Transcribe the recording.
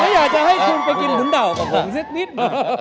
ไม่อยากจะให้คุณไปกินบุนดาวกับผมสิบนิดหน่อย